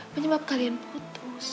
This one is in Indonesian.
penyebab kalian putus